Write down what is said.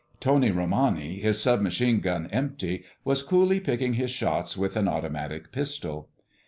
Tony Romani, his sub machine gun empty, was coolly picking his shots with an automatic pistol.